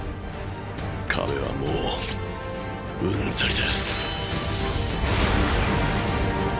壁はもううんざりだ。